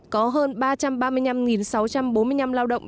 có hơn ba trăm ba mươi năm sáu trăm bốn mươi năm lao động